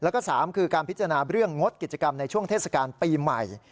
แล้วก็๓คือการพิจารณาเรื่องงดกิจกรรมในช่วงเทศกาลปีใหม่